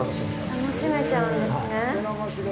楽しめちゃうんですね。